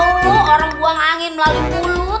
woh gak tau orang buang angin melalui mulut